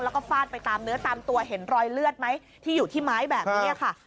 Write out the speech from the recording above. แล้วก็ฟาดไปตามเนื้อตามตัวเห็นรอยเลือดไหมที่อยู่ที่ไม้แบบนี้ค่ะ